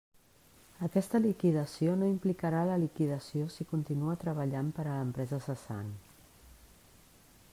Aquesta liquidació no implicarà la liquidació si continua treballant per a l'empresa cessant.